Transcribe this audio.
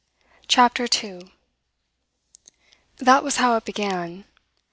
CHAPTER TWO That was how it began.